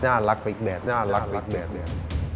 น่ารักไปอีกแบบน่ารักไปอีกแบบ